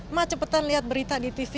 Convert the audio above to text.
mah cepetan lihat berita di tv